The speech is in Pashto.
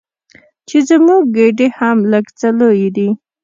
چې زموږ ګېډې هم لږ څه لویې دي.